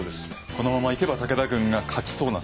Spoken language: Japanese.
このままいけば武田軍が勝ちそうな